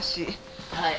はい。